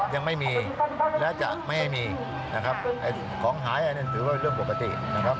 ยังไม่มีและจะไม่ให้มีนะครับของหายอันนั้นถือว่าเรื่องปกตินะครับ